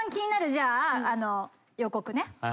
じゃあ予告ね。